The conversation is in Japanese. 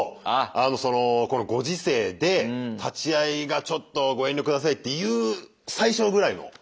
あのそのこのご時世で立ち会いがちょっとご遠慮下さいっていう最初ぐらいの。